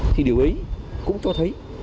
thì điều ấy cũng cho thấy